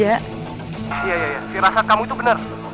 iya iya iya firasat kamu itu bener